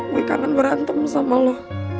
gue kanan berantem sama lo